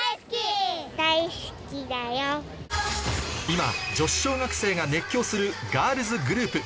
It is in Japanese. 今女子小学生が熱狂するガールズグループ